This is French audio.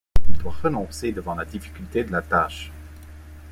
Il doit renoncer devant la difficulté de la tâche.